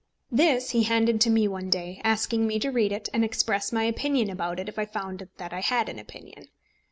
This he handed to me one day, asking me to read it, and express my opinion about it if I found that I had an opinion.